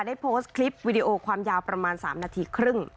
ได้โพสต์คลิปวิดีโอความยาวประมาณ๓นาทีครึ่ง